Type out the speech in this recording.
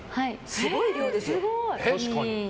すごい量ですよ。